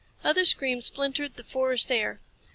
Other screams splintered the forest air.